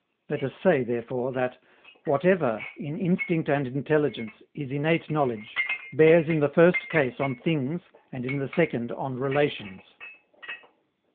Let us say, therefore, that whatever, in instinct and intelligence, is innate knowledge, bears in the first case on things and in the second on relations.